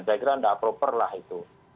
saya kira tidak properlah itu